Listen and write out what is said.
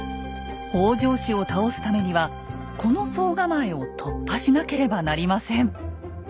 北条氏を倒すためにはこの総構を突破しなければなりません。